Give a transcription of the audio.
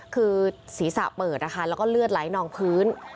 คือศีรษะเปิดนะคะแล้วก็เลือดไหลนองพื้น